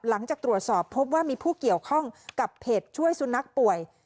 หลังจากตรวจสอบพบว่ามีผู้เกี่ยวข้องกับเพจช่วยสุนัขป่วย